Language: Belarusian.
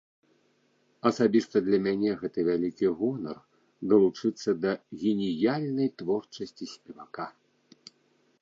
Асабіста для мяне гэта вялікі гонар далучыцца да геніальнай творчасці спевака.